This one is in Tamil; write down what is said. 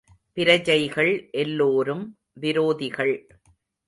பிரஜைகள் எல்லோரும் விரோதிகள்.